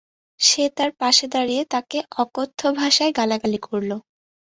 সে তার পাশে দাড়িয়ে তাঁকে অকথ্য ভাষায় গালাগালি করল।